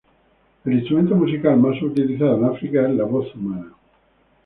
El instrumento musical más utilizado en África es la voz humana.